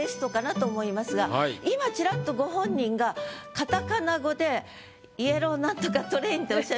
今ちらっとご本人が片仮名語でイエロー何とかトレインっておっしゃいましたね。